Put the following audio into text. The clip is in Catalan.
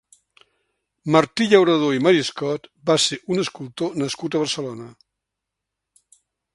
Martí Llauradó i Mariscot va ser un escultor nascut a Barcelona.